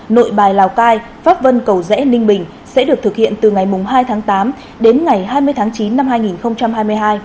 nội bài lào cai pháp vân cầu rẽ ninh bình sẽ được thực hiện từ ngày hai tháng tám đến ngày hai mươi tháng chín năm hai nghìn hai mươi hai